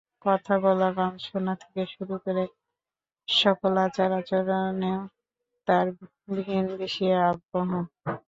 কথা বলা, গান শোনা থেকে শুরু করে সকল আচার-আচরণেও তাঁর ভিনদেশি আবহ।